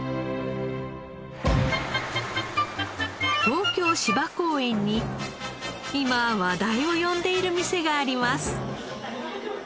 東京芝公園に今話題を呼んでいる店があります。